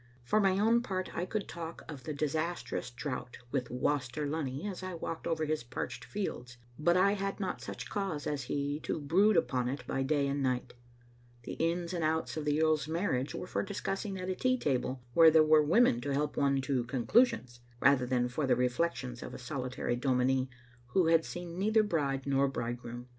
For my own part I could talk of the disastrous drought with Waster Lunny as I walked over his parched fields, but I had not such cause as he to brood upon it by day and night; and the ins and outs of the earl's marriage were for discussing at a tea table, where there were women to help one to conclusions, rather than for the reflections of a solitary dominie, who had seen neither bride nor bridegroom.